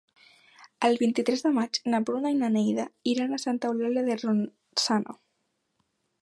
El vint-i-tres de maig na Bruna i na Neida iran a Santa Eulàlia de Ronçana.